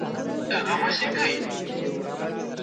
ټولنه باید د لوستنې پر لور وهڅول سي.